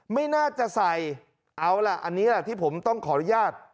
ไม่น่าจะใส่เอาล่ะอันนี้แหละที่ผมต้องขออนุญาต